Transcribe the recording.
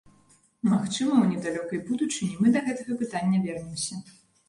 Магчыма, у недалёкай будучыні мы да гэтага пытання вернемся.